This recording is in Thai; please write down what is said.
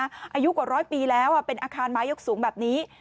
อายุกว่าร้อยปีแล้วเป็นอาคารไม้ยกสูงแบบนี้